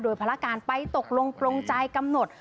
โดยภารการไปตกลงกำหนด